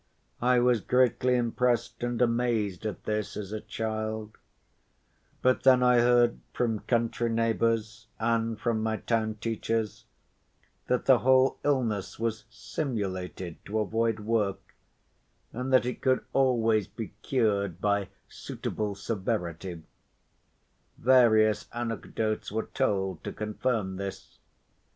I was greatly impressed and amazed at this as a child; but then I heard from country neighbors and from my town teachers that the whole illness was simulated to avoid work, and that it could always be cured by suitable severity; various anecdotes were told to confirm this.